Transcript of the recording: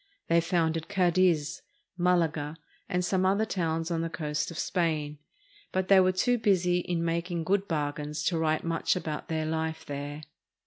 They founded Cadiz, Malaga, and some other towns on the coast of Spain; but they were too busy in making good bargains to write much about their life there.